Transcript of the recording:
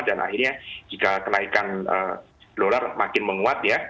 dan akhirnya jika kenaikan dollar makin menguat ya